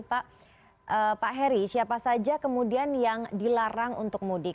pak heri siapa saja kemudian yang dilarang untuk mudik